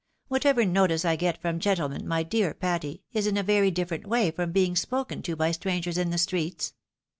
Whatever notice I get from gentlemen, my , dear Patty, is in a very different way from being spoken to by strangers in the streets.